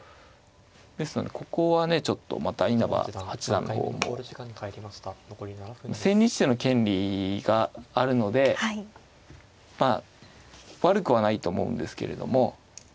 ですのでここはねちょっと稲葉八段の方も千日手の権利があるのでまあ悪くはないと思うんですけれども。